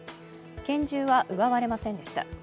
拳銃は奪われませんでした。